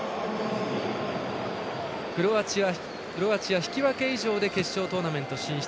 クロアチア、引き分け以上で決勝トーナメント進出。